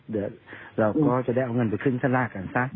เดี๋ยวเราก็จะได้เอาเงินไปขึ้นข้างล่างกันซะ